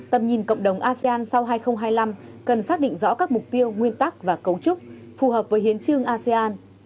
tầm nhìn cộng đồng asean sau hai nghìn hai mươi năm cần xác định rõ các mục tiêu nguyên tắc và cấu trúc phù hợp với hiến trương asean